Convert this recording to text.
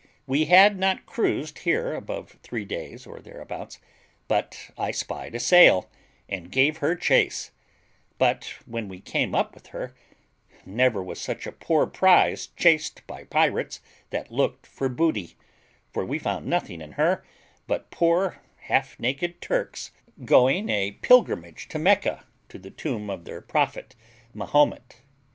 We had not cruised here above three days, or thereabouts, but I spied a sail, and gave her chase; but when we came up with her, never was such a poor prize chased by pirates that looked for booty, for we found nothing in her but poor, half naked Turks, going a pilgrimage to Mecca, to the tomb of their prophet Mahomet.